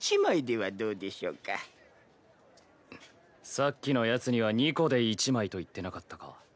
さっきのやつには２個で１枚と言ってなかったか？